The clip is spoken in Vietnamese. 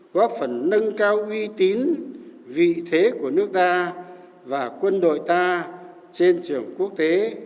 góp phần nâng cao uy tín vị thế của nước ta và quân đội ta trên trường quốc tế